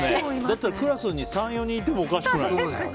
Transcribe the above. クラスに３４人いてもおかしくない。